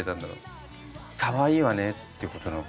「かわいいわね」ってことなのかな？